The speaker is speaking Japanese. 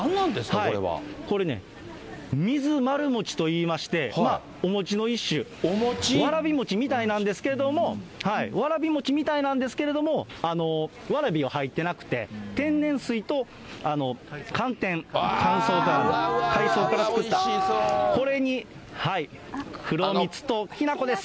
これね、水まる餅といいまして、お餅の一種、わらび餅みたいなんですけど、わらび餅みたいなんですけれども、わらびは入っていなくて、天然水と寒天、海藻から作った、これに黒蜜ときな粉です。